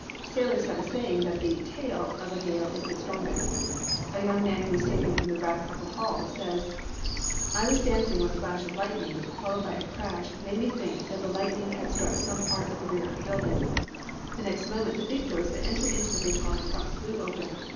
Sailors have a saying that the "tail" of a gale is strongest. A young man who was taken from the wreck of the hall says: "I was dancing when a flash of lightning, followed by a crash, made me think that the lightning had struck some part of the rear of the building. The next moment, the big doors that enter into the big hall in front flew open.